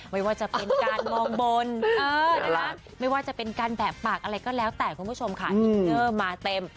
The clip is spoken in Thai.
ไม่ว่าจะเป็นการมองบนไม่ว่าจะเป็นการแบบปากอะไรก็แล้วแต่คุณผู้ชมค่ะอินเนอร์มาเต็ม